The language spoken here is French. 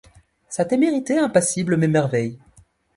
Sa témérité impassible m’émerveille.